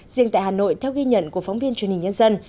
riêng tại hà nội theo ghi nhận của phóng viên truyền hình nhân dân